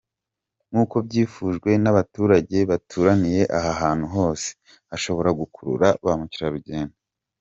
Nk’uko byifujwe n’abaturage baturaniye aha hantu hose, hashobora gukurura ba mukerarugendo.